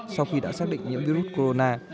sau khi đã xác định nhiễm virus corona